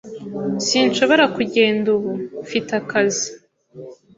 Sinshobora kugenda ubu. Mfite akazi.